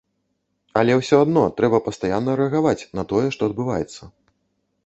Але ўсё адно трэба пастаянна рэагаваць на тое, што адбываецца.